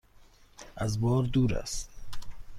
از بار دور است؟